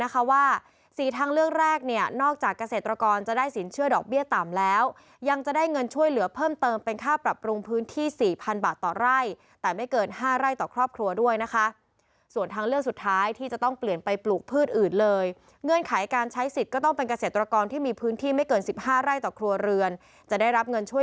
ว่าสี่ทางเลือกแรกเนี่ยนอกจากเกษตรกรจะได้สินเชื่อดอกเบี้ยต่ำแล้วยังจะได้เงินช่วยเหลือเพิ่มเติมเป็นค่าปรับปรุงพื้นที่สี่พันบาทต่อไร่แต่ไม่เกิน๕ไร่ต่อครอบครัวด้วยนะคะส่วนทางเลือกสุดท้ายที่จะต้องเปลี่ยนไปปลูกพืชอื่นเลยเงื่อนไขการใช้สิทธิ์ก็ต้องเป็นเกษตรกรที่มีพื้นที่ไม่เกิน๑๕ไร่ต่อครัวเรือนจะได้รับเงินช่วย